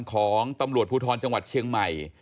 ก็ต้องมาถึงจุดตรงนี้ก่อนใช่ไหม